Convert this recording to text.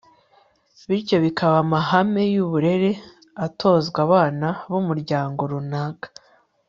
bityo bikaba amahame y'uburere atozwa abana b'umuryango runaka